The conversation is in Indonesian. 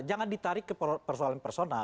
jangan ditarik ke persoalan personal